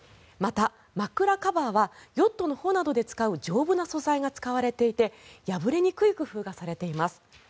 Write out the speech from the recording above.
また、枕カバーはヨットの帆などで使う丈夫な素材が使われていて破れにくい工夫がされています。